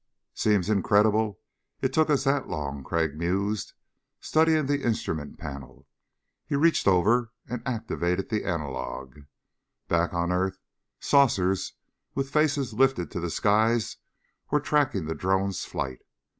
"Seems incredible it took us that long," Crag mused, studying the instrument panel. He reached over and activated the analog. Back on earth saucers with faces lifted to the skies were tracking the drone's flight.